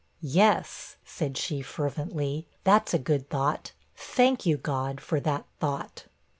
'Yes,' said she, fervently, 'that's a good thought! Thank you, God, for that thought!'